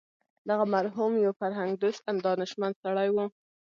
دغه مرحوم یو فرهنګ دوست دانشمند سړی و.